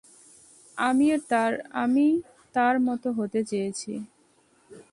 আমি তার মতো হতে চেয়েছি!